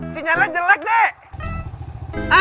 sinyalnya jelek dek